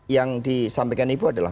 yang disampaikan ibu adalah